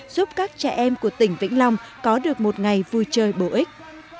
giúp các trẻ em của tỉnh vĩnh long có được một ngày vui chơi bổ ích